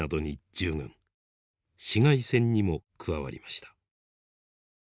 市街戦にも加わりました。